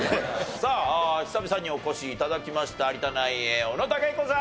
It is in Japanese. さあ久々にお越し頂きました有田ナイン小野武彦さん。